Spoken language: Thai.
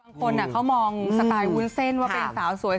บางคนเขามองสไตล์วุ้นเส้นว่าเป็นสาวสวย